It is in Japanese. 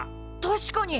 確かに。